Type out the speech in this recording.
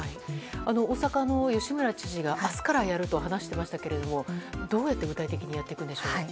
大阪の吉村知事が明日からやると話していましたがどうやって具体的にやっていくんでしょうか。